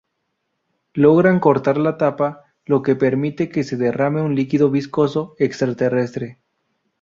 Logran cortar la tapa, lo que permite que se derrame un líquido viscoso extraterrestre.